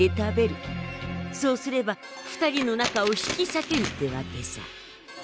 そうすれば２人の仲を引きさけるってわけさ。